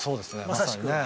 まさにね